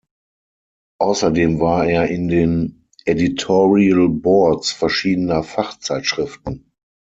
Außerdem war er in den Editorial Boards verschiedener Fachzeitschriften.